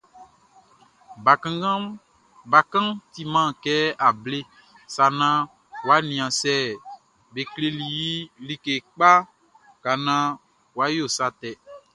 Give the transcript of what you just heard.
Bakanʼn timan kɛ able sa naan wʼa nian sɛ be kleli i like kpa ka naan wʼa yo sa tɛ.